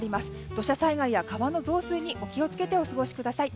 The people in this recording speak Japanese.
土砂災害や川の増水にお気をつけてお過ごしください。